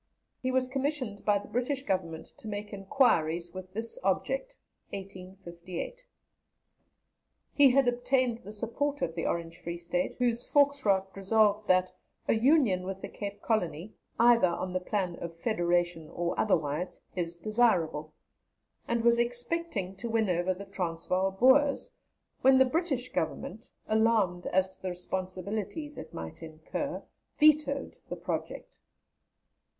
He was commissioned by the British Government to make enquiries with this object (1858.) He had obtained the support of the Orange Free State, whose Volksraad resolved that "a union with the Cape Colony, either on the plan of federation or otherwise, is desirable," and was expecting to win over the Transvaal Boers, when the British Government, alarmed as to the responsibilities it might incur, vetoed the project.